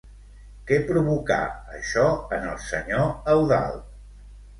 Què provocà això en el senyor Eudald?